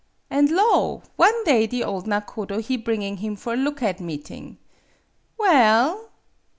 An' lo! one day the ole nakodo he bringing him for look at meeting. Well!